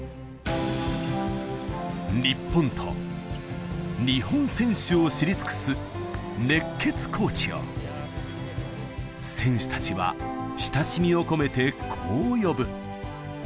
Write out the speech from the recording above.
日本と日本選手を知り尽くす熱血コーチを、選手たちは親しみを込めて、こう呼ぶ。